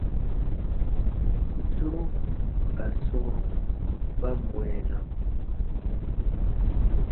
Suru ka sɔ̃ɔ ba mwɛɛna.